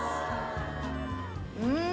うん！